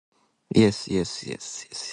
Yes, yes, yes, yes.